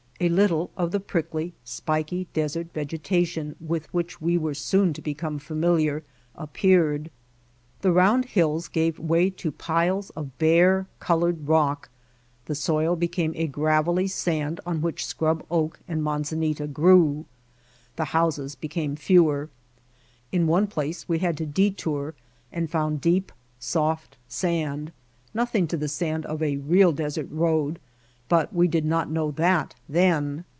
A little of the prickly, spiky desert vegetation with which we were to become so familiar appeared. How We Found Mojave The round hills gave way to piles of bare, col ored rock, the soil became a gravelly sand on which scrub oak and manzanita grew. The houses became fewer. In one place we had to detour and found deep, soft sand, nothing to the sand of a real desert road, but we did not know that then.